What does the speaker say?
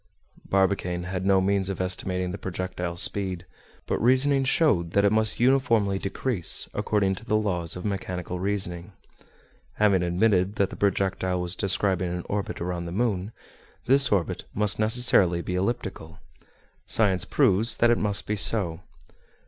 Barbicane had no means of estimating the projectile's speed, but reasoning showed that it must uniformly decrease, according to the laws of mechanical reasoning. Having admitted that the projectile was describing an orbit around the moon, this orbit must necessarily be elliptical; science proves that it must be so.